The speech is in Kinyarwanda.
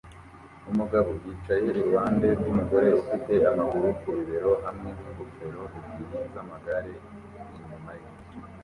Umugabo yicaye iruhande rw'umugore ufite amaguru ku bibero hamwe n'ingofero ebyiri z'amagare inyuma ye